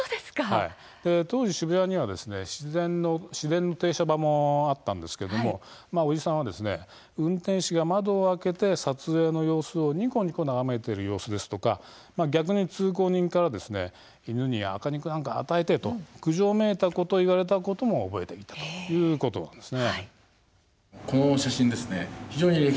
当時、渋谷には市電の停車場もあったんですけれどもおじさんは運転士が窓を開けて撮影の様子をにこにこ眺めている様子ですとか逆に通行人から犬に赤肉なんか与えてと苦情めいたことを言われたことを覚えたということなんです。